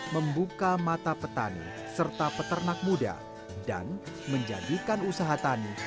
membuka mata petani serta peternak muda dan menjadikan usaha tani